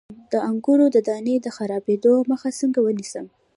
د انګورو د دانې د خرابیدو مخه څنګه ونیسم؟